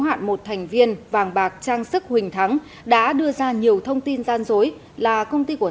hạn một thành viên vàng bạc trang sức huỳnh thắng đã đưa ra nhiều thông tin gian dối là công ty của